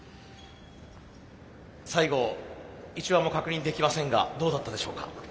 最後１羽も確認できませんがどうだったでしょうか？